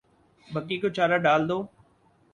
بکری کو چارہ ڈال دو